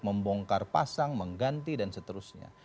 membongkar pasang mengganti dan seterusnya